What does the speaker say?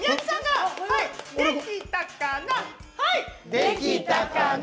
できたかな？